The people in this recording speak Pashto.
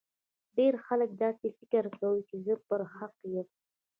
ډیر خلګ داسي فکر کوي چي زه پر حق یم